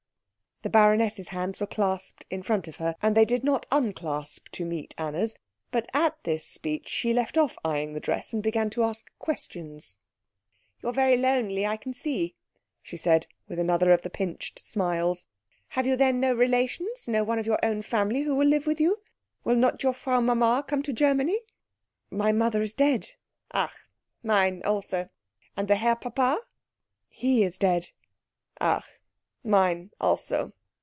The baroness's hands were clasped in front of her, and they did not unclasp to meet Anna's; but at this speech she left off eyeing the dress, and began to ask questions. "You are very lonely, I can see," she said with another of the pinched smiles. "Have you then no relations? No one of your own family who will live with you? Will not your Frau Mama come to Germany?" "My mother is dead." "Ach mine also. And the Herr Papa?" "He is dead." "Ach mine also."